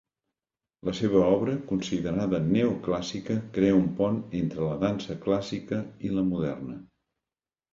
La seva obra, considerada neoclàssica, crea un pont entre la dansa clàssica i la moderna.